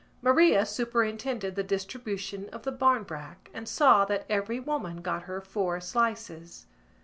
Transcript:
Maria superintended the distribution of the barmbrack and saw that every woman got her four slices.